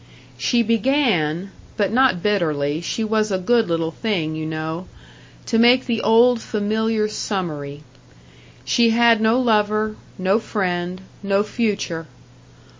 She began but not bitterly, she was a good little thing, you know to make the old familiar summary. She had no lover, no friend, no future.